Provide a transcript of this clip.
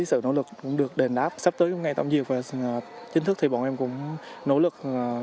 sự nỗ lực được đền đáp sắp tới ngày tổng diệt và chính thức thì bọn em cũng nỗ lực